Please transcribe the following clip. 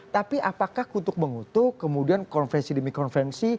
tapi apakah kutuk mengutuk kemudian konferensi demi konferensi